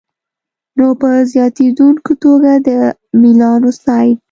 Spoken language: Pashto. نو په زیاتېدونکي توګه د میلانوسایټ